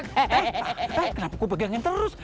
kenapa kau pegangin terus